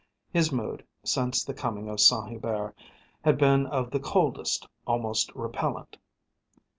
His mood, since the coming of Saint Hubert, had been of the coldest almost repellant.